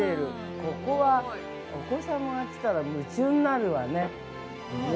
ここは、お子様が来たら夢中になるわね。